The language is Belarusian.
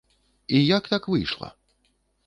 І як так выйшла?